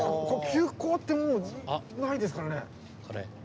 急行ってもうないですからね。